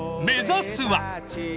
［目指すは］